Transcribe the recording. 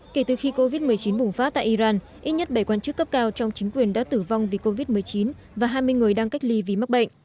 kể từ khi covid một mươi chín bùng phát tại iran ít nhất bảy quan chức cấp cao trong chính quyền đã tử vong vì covid một mươi chín và hai mươi người đang cách ly vì mắc bệnh